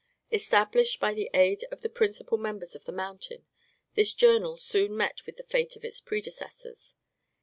Established by the aid of the principal members of the Mountain, this journal soon met with the fate of its predecessors.